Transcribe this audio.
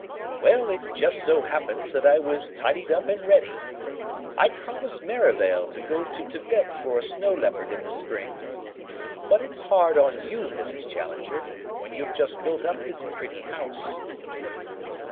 "Well, it just so happens that I was tidied up and ready. I'd promised Merivale to go to Tibet for a snow leopard in the spring. But it's hard on you, Mrs. Challenger, when you have just built up this pretty home."